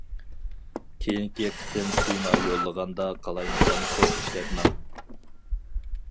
كېيىنكى قېتىم تېما يوللىغاندا قالايمىقان كود ئىشلەتمەڭ.